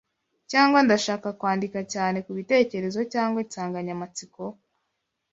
cyangwa ndashaka kwandika cyane kubitekerezo cyangwa insanganyamatsiko?